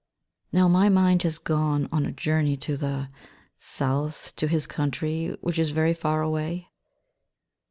Now my mind has gone on a journey to the South ; to his country, which is very far away.